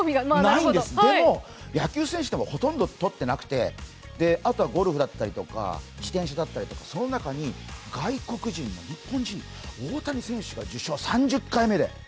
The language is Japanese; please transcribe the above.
でも野球選手はほとんど取ってなくてあとはゴルフだったりとか自転車だったりとか、その中に外国人の日本人、大谷選手が受賞、３０回目で。